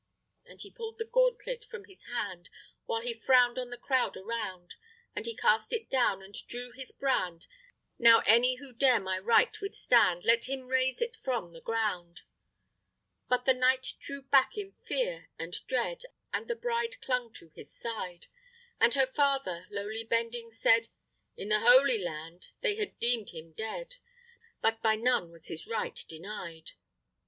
And he pull'd the gauntlet from his hand, While he frown'd on the crowd around, And he cast it down, and drew his brand, "Now any who dare my right withstand, Let him raise it from the ground." But the knights drew back in fear and dread, And the bride clung to his side; And her father, lowly bending, said, In the Holy Land they had deem'd him dead, But by none was his right denied.